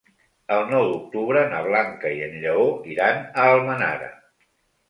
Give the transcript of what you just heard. El nou d'octubre na Blanca i en Lleó iran a Almenara.